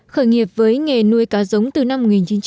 khởi nghiệp với nghề nuôi cá giống từ năm một nghìn chín trăm chín mươi